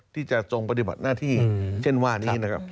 ที่จะทรงปฏิบัติหน้าที่เช่นว่านี้นะครับ